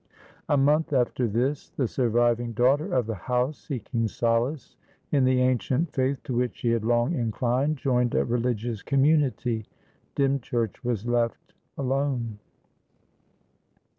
A month after this, the surviving daughter of the house, seeking solace in the ancient faith to which she had long inclined, joined a religious community. Dymchurch was left alone.